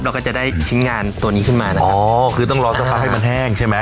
เราก็จะได้ชิ้นงานตัวนี้ขึ้นมานะอ๋อคือต้องรอสักพักให้มันแห้งใช่ไหม